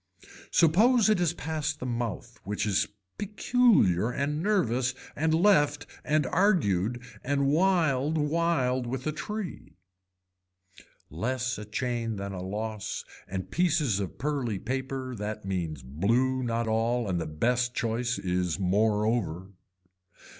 Suppose it is past the mouth which is peculiar and nervous and left and argued and whiled whiled with a tree. Less a chain than a loss and pieces of pearly paper that means blue not all and the best choice is moreover.